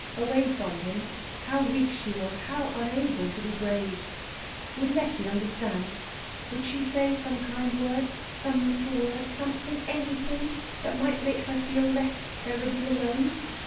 Away from him, how weak she was, how unable to be brave. Would Letty understand? Would she say some kind word, some little word, something, anything, that might make her feel less terribly alone?